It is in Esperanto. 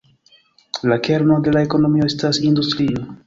La kerno de la ekonomio estas industrio.